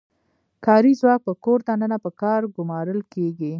کاري ځواک په کور دننه په کار ګومارل کیږي.